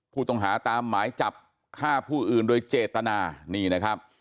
ผู้ต้องหาตามหมายจับฆ่าผู้อื่นโดยเจตนา